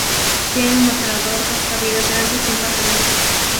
Tiene un mostrador, dos cabinas grandes y un par de mesas.